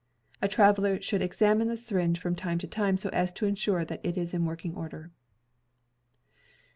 [A traveler should examine the syringe from time to time so as to ensure that it is in working order.